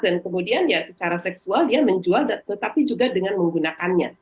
dan kemudian ya secara seksual dia menjual tetapi juga dengan menggunakannya